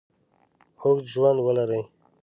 اوږد ژوند ولري.